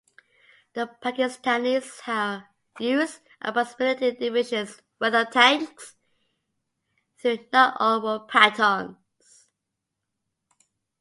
The Pakistanis used approximately a division's worth of tanks, though not all were Pattons.